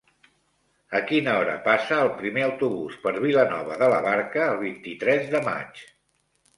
A quina hora passa el primer autobús per Vilanova de la Barca el vint-i-tres de maig?